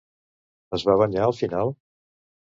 Es va banyar al final?